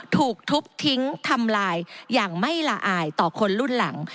ถูกทุบทิ้งทำลายอย่างไม่ละอายต่อคนรุ่นหลัง